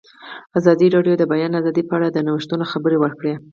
ازادي راډیو د د بیان آزادي په اړه د نوښتونو خبر ورکړی.